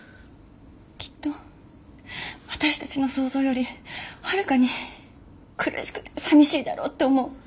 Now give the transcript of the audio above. きっと私たちの想像よりはるかに苦しくてさみしいだろうって思う。